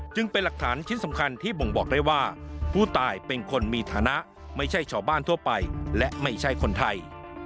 เป็นหลักฐานชิ้นสำคัญที่บ่งบอกได้ว่าผู้ตายเป็นคนมีฐานะไม่ใช่ชาวบ้านทั่วไปและไม่ใช่คนไทย